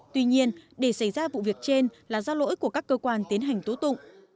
tuy nhiên để xảy ra vụ việc trên là do lỗi của các cơ quan tiến hành tố tụng